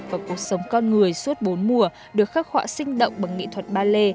và cuộc sống con người suốt bốn mùa được khắc họa sinh động bằng nghệ thuật ba lê